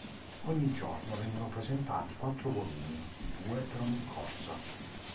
Ogni giorno vengono presentati quattro volumi, due per ogni corsa.